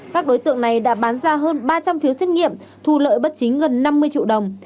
các đối tượng này đã bán ra hơn ba trăm linh phiếu xét nghiệm thu lợi bất chính gần năm mươi triệu đồng